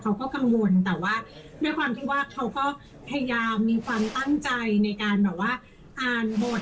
เขาก็กังวลแต่ว่าด้วยความที่ว่าเขาก็พยายามมีความตั้งใจในการแบบว่าอ่านบท